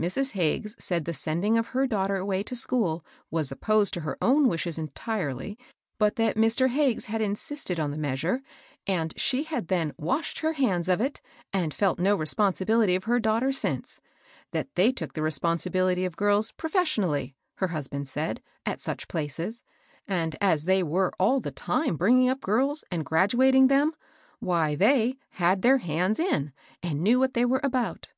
Mrs. Hagges said the sending of her daughter away to school was opposed to her own wishes en tirely ; but that Mr. Hagges had insisted on the measure, and she had then washed her hands " of it, and felt no responsibility of her daughter since; that they took the responsibility of girls " professionally," her husband said, at such places ; and as they were all the ^inie "Vstov^tl^ xk^ ^g:^a^ 814 MABEL ROSS. and graduating them, why they " had their hands in," and knew what they were about.